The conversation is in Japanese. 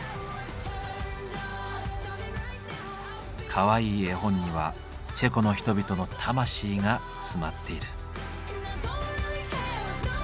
かわいい絵本にはチェコの人々の魂が詰まっている。